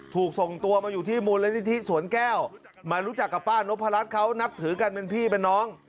ถูกส่งตัวมาอยู่ที่มูลนิธิสวนแก้วมารู้จักกับป้านพรัชเขานับถือกันเป็นพี่เป็นน้อง